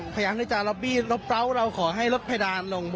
พยายามที่จะล็อบบี้ลบเล้าเราขอให้ลดเพดานลง